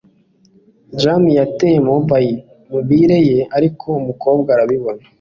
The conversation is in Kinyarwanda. Jamie yataye mobile ye, ariko umukobwa arabibona.